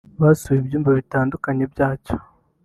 Basuye ibyumba bitandukanye byacyo